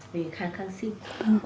về kháng kháng sinh